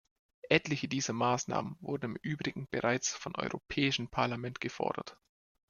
Etliche dieser Maßnahmen wurden im Übrigen bereits vom Europäischen Parlament gefordert.